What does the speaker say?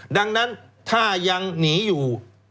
ดังนั้นถ้ายังหนีอยู่